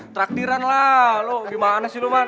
traktiran lah lo gimana sih lo eman